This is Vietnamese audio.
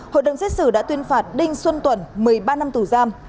hội đồng xét xử đã tuyên phạt đinh xuân tùng một mươi ba năm tù giam